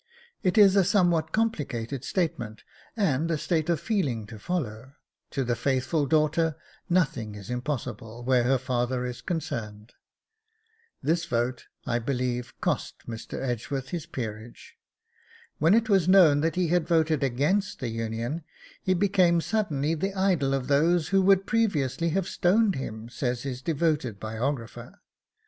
It is a somewhat complicated statement and state of feeling to follow; to the faithful daughter nothing is impossible where her father is concerned. This vote, I believe, cost Mr. Edgeworth his peerage. 'When it was known that he had voted against the Union he became suddenly the idol of those who would previously have stoned him,' says his devoted biographer.